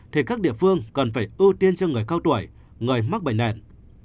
thì các địa phương cần phải ưu tiên cho người cao tuổi người mắc bệnh nền